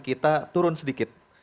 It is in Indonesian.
kita turun sedikit